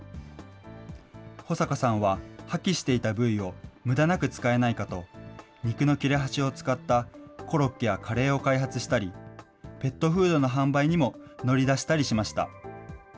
保坂さんは、破棄していた部位をむだなく使えないかと、肉の切れ端を使ったコロッケやカレーを開発したり、ペットフードの販売にも乗り出したりしました。